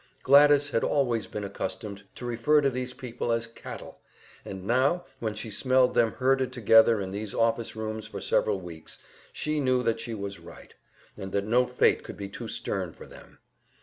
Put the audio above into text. Gladys had always been accustomed to refer to these people as "cattle," and now, when she smelled them herded together in these office rooms for several weeks, she knew that she was right, and that no fate could be too stern for them.